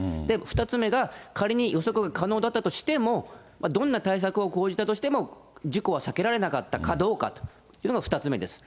２つ目が、仮に予測が可能だったとしても、どんな対策を講じたとしても、事故は避けられなかったかどうかというのが、２つ目です。